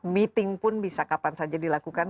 meeting pun bisa kapan saja dilakukan